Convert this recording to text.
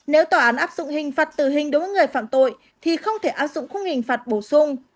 nếu tòa án áp dụng hình phạt tử hình đối với người phạm tội thì không thể áp dụng khung hình phạt bổ sung